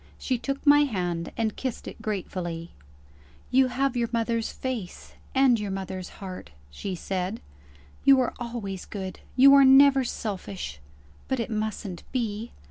She took my hand, and kissed it gratefully. "You have your mother's face, and your mother's heart," she said; "you are always good, you are never selfish. But it mustn't be.